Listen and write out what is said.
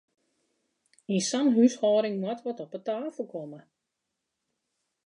Yn sa'n húshâlding moat wat op 'e tafel komme!